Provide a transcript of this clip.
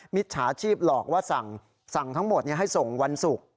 มิจฉาชีพหลอกว่าสั่งทั้งหมดให้ส่งวันศุกร์